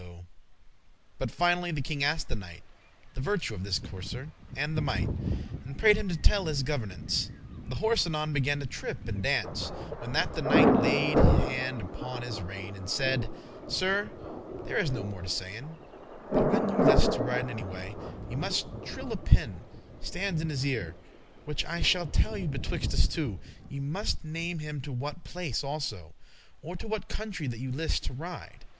* *there But finally the king asked the knight The virtue of this courser, and the might, And prayed him to tell his governance.* *mode of managing him The horse anon began to trip and dance, When that the knight laid hand upon his rein, And saide, "Sir, there is no more to sayn, But when you list to riden anywhere, Ye muste trill* a pin, stands in his ear, *turn <23> Which I shall telle you betwixt us two; Ye muste name him to what place also, Or to what country that you list to ride.